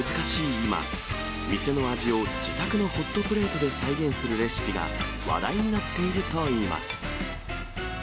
今、店の味を自宅のホットプレートで再現するレシピが話題になっているといいます。